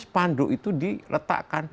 akhirnya sepandu itu diletakkan